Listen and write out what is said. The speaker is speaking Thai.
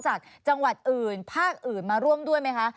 จากจังหวัดอื่นภาคอื่นมาร่วมด้วยไหมคะ